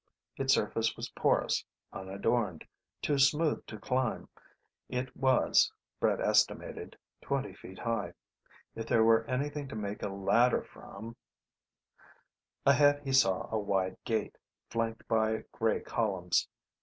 Its surface was porous, unadorned, too smooth to climb. It was, Brett estimated, twenty feet high. If there were anything to make a ladder from Ahead he saw a wide gate, flanked by grey columns.